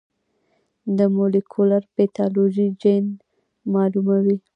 د مولېکولر پیتالوژي جین معلوموي.